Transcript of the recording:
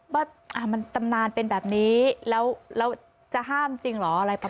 ว่ามันตำนานเป็นแบบนี้แล้วจะห้ามจริงเหรออะไรประมาณ